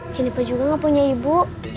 jennifer juga ga punya ibu